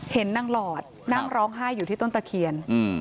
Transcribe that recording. เห็นนางหลอดนั่งร้องไห้อยู่ที่ต้นตะเคียน